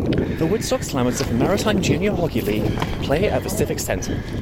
The Woodstock Slammers of the Maritime Junior Hockey League play at the Civic Centre.